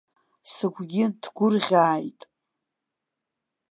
Сыгәгьы нҭгәырӷьааит.